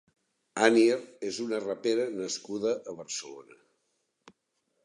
Anier és una rapera nascuda a Barcelona.